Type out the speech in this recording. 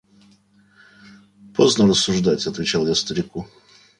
– Поздно рассуждать, – отвечал я старику.